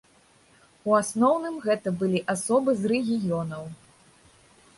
У асноўным гэта былі асобы з рэгіёнаў.